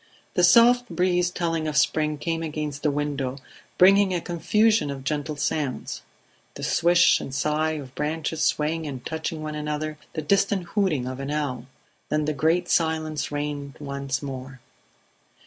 The soft breeze telling of spring came against the window, bringing a confusion of gentle sounds; the swish and sigh of branches swaying and touching one another, the distant hooting of an owl. Then the great silence reigned once more.